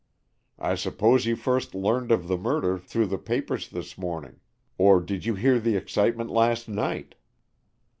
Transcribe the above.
"I suppose you first learned of the murder through the papers this morning. Or did you hear the excitement last night?"